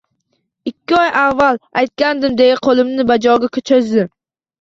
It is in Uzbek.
Ikki oy avval aytgandim, deya qo`limni banjoga cho`zdim